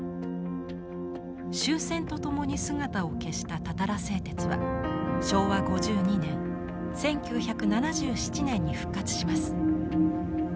終戦とともに姿を消したたたら製鉄は昭和５２年１９７７年に復活します。